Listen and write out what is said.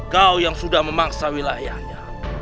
kau yang sudah memaksa wilayahnya